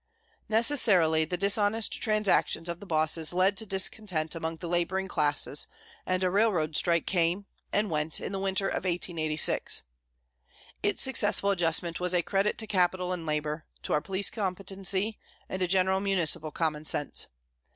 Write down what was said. Necessarily, the dishonest transactions of the bosses led to discontent among the labouring classes, and a railroad strike came, and went, in the winter of 1886. Its successful adjustment was a credit to capital and labour, to our police competency, and to general municipal common sense.